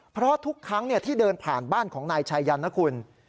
เพราะทุกครั้งที่เดินผ่านบ้านของนายชายันนะคุณ